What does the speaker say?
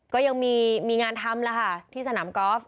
ก็ยังมีงานทำแล้วค่ะที่สนามกอล์ฟ